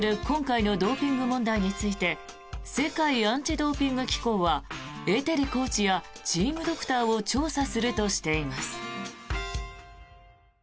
今回のドーピング問題について世界アンチ・ドーピング機構はエテリコーチやチームドクターを調査するとしています。